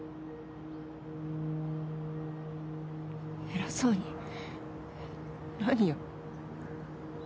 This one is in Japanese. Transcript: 偉そうに何よ。